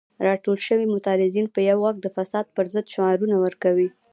راټول شوي معترضین په یو غږ د فساد پر ضد شعارونه ورکوي.